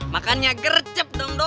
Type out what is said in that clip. makannya gercep dong do